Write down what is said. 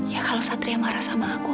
ya kalau satria marah sama aku